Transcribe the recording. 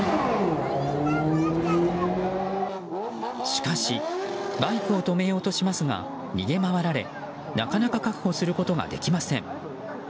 しかしバイクを止めようとしますが逃げ回られなかなか確保することができません。